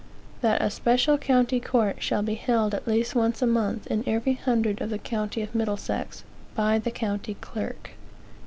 That a special county court shall be held at least once in a month, in every hundred of the county of Middlesex, by the county clerk.